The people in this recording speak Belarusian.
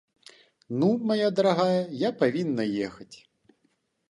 Ну, мая дарагая, я павінна ехаць.